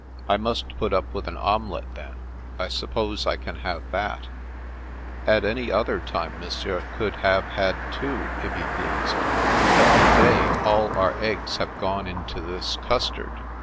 " I must put up with an omelette, then. I suppose I can have that ?" "At any other time Monsieur could have had two, if he pleased, but to day all our eggs have gone into this custard.